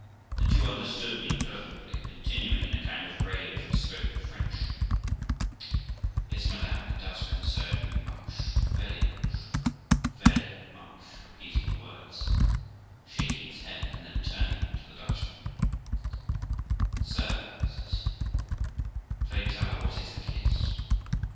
The Jew understood me presently, continuing in a kind of rage, and spoke in French :' Yes, madam, it does concern you much, very much, very much', repeating the words, shaking his head; and then turning to the Dutchman, 'Sir', says he, 'pray tell her what is the case.'